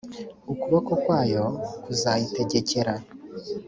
ukuboko kwayo kuzayitegekera